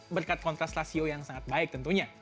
berkat kontras rasio yang sangat baik tentunya